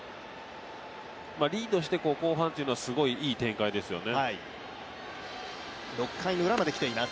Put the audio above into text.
リードして後半というのは、すごいいい展開ですよね。